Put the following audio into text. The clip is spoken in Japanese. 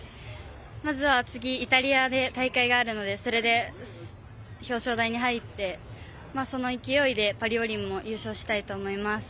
まずは次イタリアで大会があるので、それで表彰台に入って、その勢いでパリオリンも優勝したいと思います。